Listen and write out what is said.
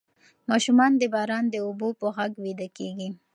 ماشومان د باران د اوبو په غږ ویده کیږي.